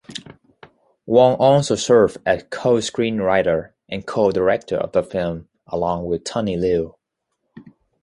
Wong also served as co-screenwriter and co-director of the film along with Tony Liu.